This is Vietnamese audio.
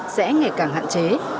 hãy ngày càng hạn chế